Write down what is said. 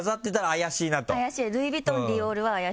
怪しい。